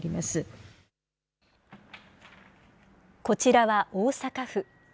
こちらは大阪府。